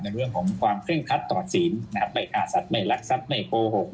ในเรื่องของความเคร่งคัดตอดศีลไม่อาศัพท์ไม่หลักศัพท์ไม่โกหก